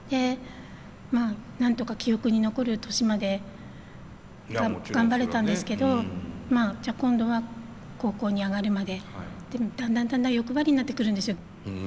なんとか記憶に残る年まで頑張れたんですけどじゃあ今度は高校に上がるまでってだんだんだんだん欲張りになってくるんですよ。